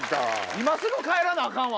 今すぐ帰らなアカンわ！